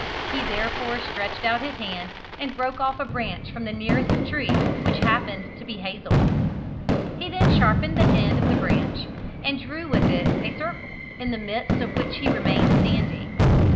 He therefore stretched out his hand and broke off a branch from the nearest tree, which happened to be hazel. He then sharpened the end of the branch, and drew with it a circle, in the midst of which he remained standing.